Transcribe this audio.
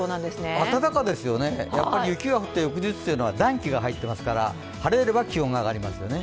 暖かですよね、雪が降った翌日は暖気が入ってますから晴れれば気温が上がりますね。